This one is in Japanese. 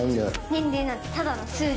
年齢なんてただの数字。